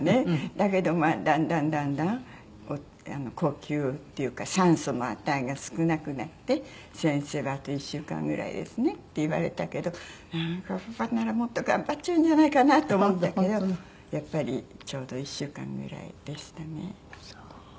だけどまあだんだんだんだん呼吸っていうか酸素の値が少なくなって先生が「あと１週間ぐらいですね」って言われたけどなんかパパならもっと頑張っちゃうんじゃないかなって思ったけどやっぱりちょうど１週間ぐらいでしたね。